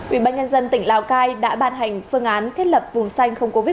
ubnd tỉnh lào cai đã ban hành phương án thiết lập vùng xanh không covid một mươi chín